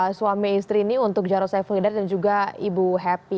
untuk suami istri ini untuk jarod saifuddin dan juga ibu happy